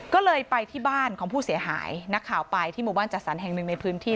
ก็เลยไปที่บ้านของผู้เสียหายนักข่าวไปที่หมู่บ้านจัดสรรแห่งหนึ่งในพื้นที่